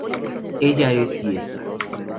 Ella es diestra.